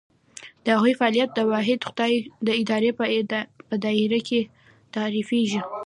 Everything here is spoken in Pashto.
د هغوی فعالیت د واحد خدای د ارادې په دایره کې تعریفېږي.